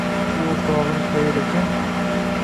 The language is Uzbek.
U oʻrtogʻini koyir ekan